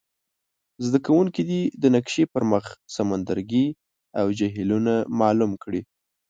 زده کوونکي دې د نقشي پر مخ سمندرګي او جهیلونه معلوم کړي.